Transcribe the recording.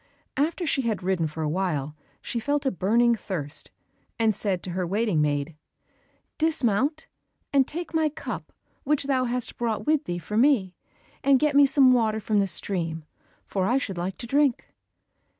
After she had ridden for a while she felt a burning thirst, and said to her waiting maid, "Dismount, and take my cup which thou hast brought with thee for me, and get me some water from the stream, for I should like to drink."